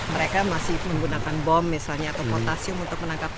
mereka masih menggunakan bom misalnya atau potasium untuk menangkap